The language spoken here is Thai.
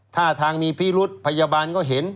ท่าทางมีพิรุษพยาบาลก็เห็น